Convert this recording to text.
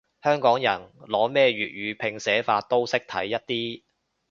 香港人，攞咩粵語拼寫法都識睇一啲